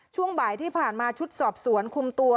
ช่วงบ่ายที่ผ่านมาชุดสอบสวนคุมตัว